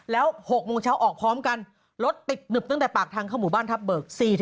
แล้ว๖โมงเช้าออกพร้อมกันรถติดหนึบตั้งแต่ปากทางเข้าหมู่บ้านทัพเบิก๔